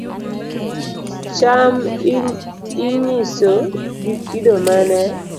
Cham inyiso gi kido mane